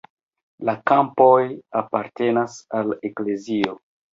La kampoj apartenis al eklezio.